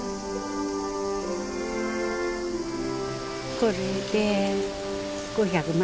これで５００枚。